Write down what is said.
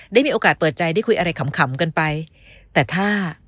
ได้มีโอกาสเปิดใจได้คุยอะไรขำขำกันไปแต่ถ้า